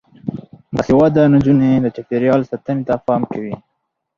باسواده نجونې د چاپیریال ساتنې ته پام کوي.